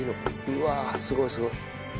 うわあすごいすごい。